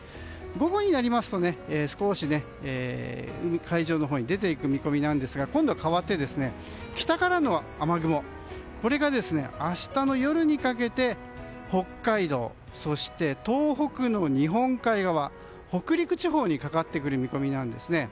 午後になりますと少し海上のほうに出て行く見込みなんですが今度は変わって北からの雨雲が明日の夜にかけて北海道、そして東北の日本海側北陸地方にかかってくる見込みなんですね。